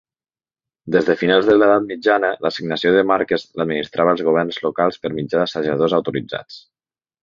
Des de finals de l'Edat Mitjana, l'assignació de marques l'administrava els governs locals per mitjà d'assajadors autoritzats.